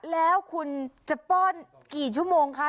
แล้วคุณจะป้อนกี่ชั่วโมงคะ